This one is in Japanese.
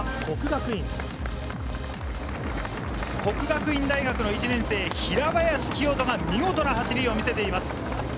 國學院大學の１年生、平林清澄が見事な走りを見せています。